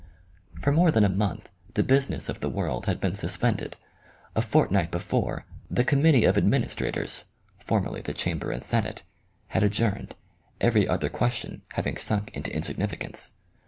For more than a month the business of the world had been suspended ; a fortnight before the committee of ad ministrators (for merly the chamber and senate) had adjourned, every other question hav ing sunk into in significance.